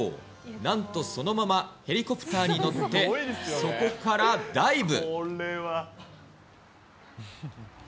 なんとそのままヘリコプターに乗って、そこからダイブ。